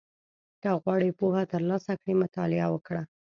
• که غواړې پوهه ترلاسه کړې، مطالعه وکړه.